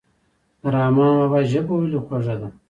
د رحمان بابا ژبه ولې خوږه ده.